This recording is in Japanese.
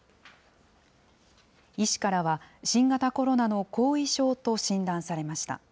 医師からは新型コロナの後遺症と診断されました。